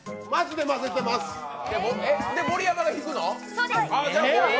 で、盛山が引くの？